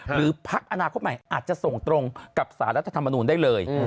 พักอนาคตใหม่อาจจะส่งตรงกับสารรัฐธรรมนูลได้เลย